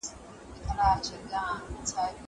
زه پرون لاس پرېولم وم.